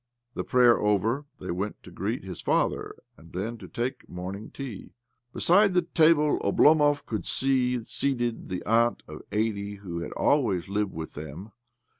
The prayer over, they went to greet his father, and then to take morning tea. Be side the table Oblomov could see seated the aunt of eig'hty w'ho had always lived with them.